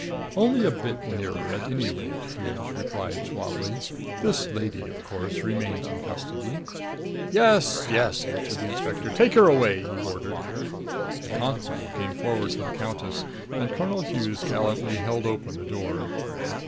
"Only a bit nearer, at any rate," replied Hughes suavely. "This lady, of course, remains in custody." "Yes, yes," answered the inspector. "Take her away!" he ordered. A constable came forward for the countess and Colonel Hughes gallantly held open the door.